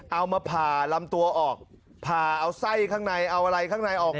เอามาผ่าลำตัวออกผ่าเอาไส้ข้างในเอาอะไรข้างในออก